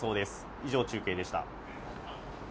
以上、中継でした。